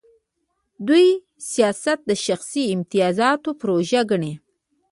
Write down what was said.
دوی سیاست د شخصي امتیازاتو پروژه ګڼي.